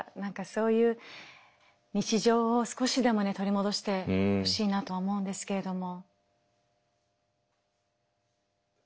そういう日常を少しでも取り戻してほしいなと思うんですけれども。